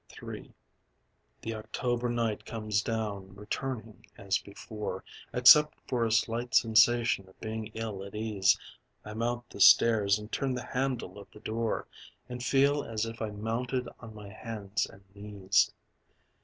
III The October night comes down; returning as before Except for a slight sensation of being ill at ease I mount the stairs and turn the handle of the door And feel as if I had mounted on my hands and knees.